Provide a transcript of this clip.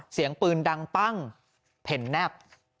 เสียงปืนดังปั้งเห็นแนบ